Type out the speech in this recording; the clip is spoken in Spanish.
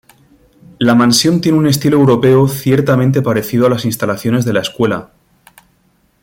La mansión tiene un estilo europeo ciertamente parecido a las instalaciones de la escuela.